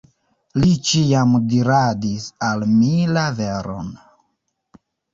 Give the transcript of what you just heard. Li ĉiam diradis al mi la veron.